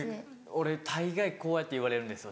俺大概こうやって言われるんですよ